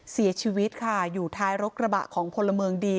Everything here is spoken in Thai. เสียชีวิตค่ะอยู่ท้ายรกระบะของพลเมืองดี